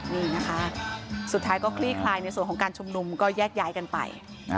นี่นะคะสุดท้ายก็คลี่คลายในส่วนของการชุมนุมก็แยกย้ายกันไป